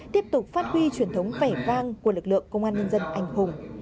tiếp tục phát huy truyền thống vẻ vang của lực lượng công an nhân dân anh hùng